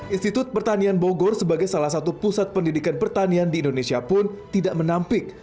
institut pertanian bogor sebagai salah satu pusat pendidikan pertanian di indonesia pun tidak menampik